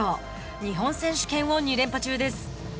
日本選手権を２連覇中です。